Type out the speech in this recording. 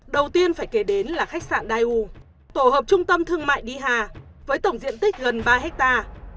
đầu tiên phải kể đến là khách sạn daiu tổ hợp trung tâm thương mại đi hà với tổng diện tích gần ba hectare